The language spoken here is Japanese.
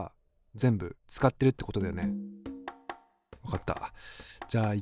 全部使ってるってこと？